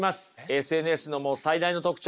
ＳＮＳの持つ最大の特徴！